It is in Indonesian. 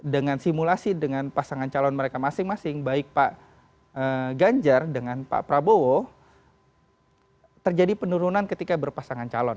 dengan simulasi dengan pasangan calon mereka masing masing baik pak ganjar dengan pak prabowo terjadi penurunan ketika berpasangan calon